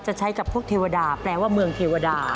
จะใช้กับพวกเทวดาแปลว่าเมืองเทวดา